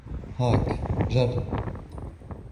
هاك، جرب.